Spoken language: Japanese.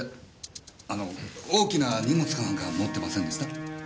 あの大きな荷物か何か持ってませんでした？